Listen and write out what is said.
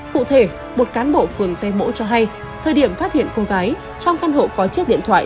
cụ thể một cán bộ phường tây mỗ cho hay thời điểm phát hiện cô gái trong căn hộ có chiếc điện thoại